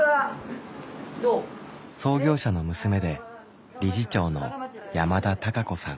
創業者の娘で理事長の山田多佳子さん。